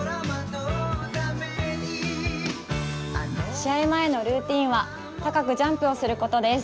試合前のルーチンは高くジャンプをすることです。